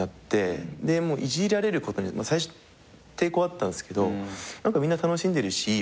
イジられることに最初抵抗あったんすけどみんな楽しんでるしいいやみたいな。